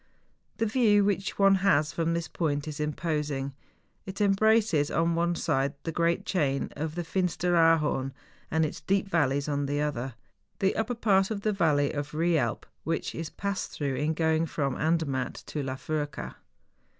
The view which one has from this point is imposing; it embraces, on one side, the great chain of the Finsteraarhorn and its deep valleys, on the other, the upper part of the valley of Eealp, which is passed through in going from Andermatt to La Furka.